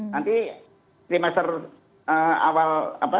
nanti trimester awal apa